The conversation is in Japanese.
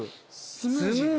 スムージー。